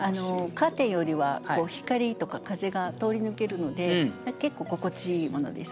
カーテンよりは光とか風が通り抜けるので結構心地いいものです。